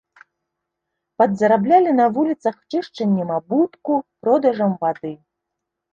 Падзараблялі на вуліцах чышчаннем абутку, продажам вады.